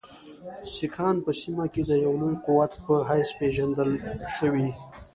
سیکهان په سیمه کې د یوه لوی قوت په حیث پېژندل شوي.